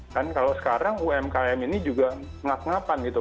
dan kalau sekarang umkm ini juga ngak ngapan gitu